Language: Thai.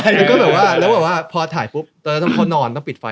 อย่างก็แบบก็แหละนะแล้วก็แบบว่าพอถ่ายปุ๊บตอนนั้นตอนนอนต้องปิดไฟ